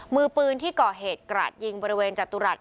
มือปืนที่ก่อเหตุกราดยิงบริเวณจตุรัส